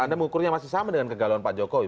anda mengukurnya masih sama dengan kegalauan pak jokowi